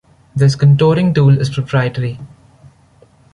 This contouring tool is proprietary.